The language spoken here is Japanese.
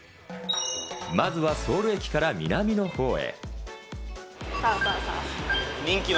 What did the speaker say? まずはソウル駅から南の方へ。